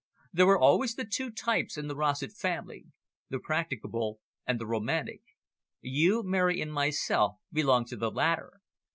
There were always the two types in the Rossett family, the practicable and the romantic. You, Mary, and myself belong to the latter.